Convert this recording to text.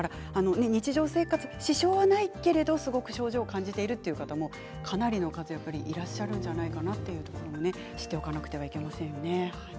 日常生活支障はないけれどすごく症状を感じているという方も、かなりの数いらっしゃるんじゃないかなということを知っておかなければいけないですね。